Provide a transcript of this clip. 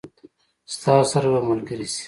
ستاسو سره به ملګري شي.